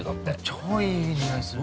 ◆超いい匂いする。